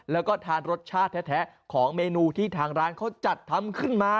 แล้วก็ทานรสชาติแท้ของเมนูที่ทางร้านเขาจัดทำขึ้นมา